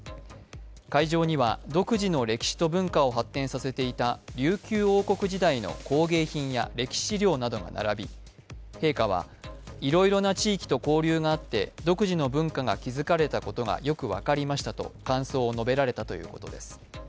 会場には、独自の歴史と文化を発展させていた琉球王国時代の工芸品や歴史資料などが並び陛下は、いろいろな地域と交流があって独自の文化が築かれたことがよく分かりましたと感想を述べられたということです。